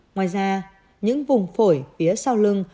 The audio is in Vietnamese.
ngoài ra những vùng phổi phía sau lưng